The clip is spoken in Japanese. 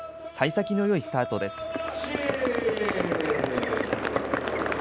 さい先のよいスタートです。